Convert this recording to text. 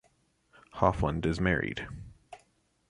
Hofland is married.